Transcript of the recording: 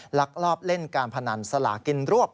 ลักลอบเล่นการพนันสลากินรวบ